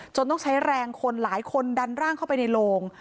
ต้องใช้แรงคนหลายคนดันร่างเข้าไปในโลง